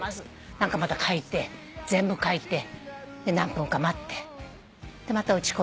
何か書いて全部書いて何分か待ってまた落ち込んで家に帰って。